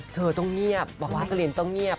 เธอต้องเงียบบอกว่าลินต้องเงียบ